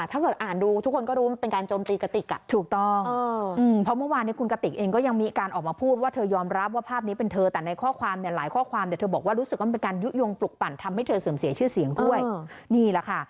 ถ้าเกิดอ่านดูทุกคนก็รู้มันเป็นการโจมตีกะติก